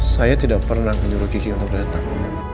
saya tidak pernah menyuruh kiki untuk datang